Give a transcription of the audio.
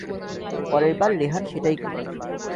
পরেরবার রেহান সেটাই করবে।